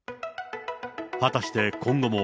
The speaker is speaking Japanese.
果たして今後も、